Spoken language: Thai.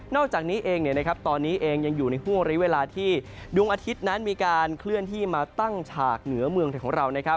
อกจากนี้เองตอนนี้เองยังอยู่ในห่วงริเวลาที่ดวงอาทิตย์นั้นมีการเคลื่อนที่มาตั้งฉากเหนือเมืองไทยของเรา